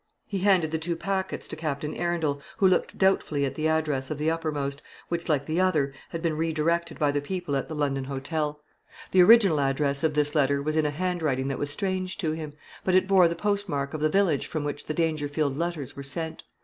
He handed the two packets to Captain Arundel, who looked doubtfully at the address of the uppermost, which, like the other, had been re directed by the people at the London hotel. The original address of this letter was in a handwriting that was strange to him; but it bore the postmark of the village from which the Dangerfield letters were sent.